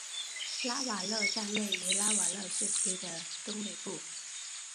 拉瓦勒站位于拉瓦勒市区的东北部。